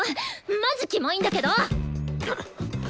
マジキモいんだけど！